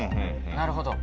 なるほど。